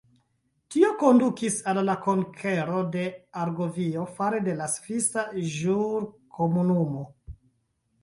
Tio kondukis al la konkero de Argovio fare de la Svisa Ĵurkomunumo.